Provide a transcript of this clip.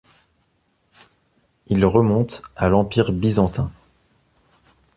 Il remonte à l'Empire byzantin.